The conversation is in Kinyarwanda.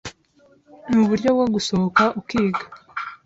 Nuburyo bwo gusohoka ukiga